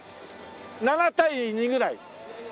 ７対２ぐらい？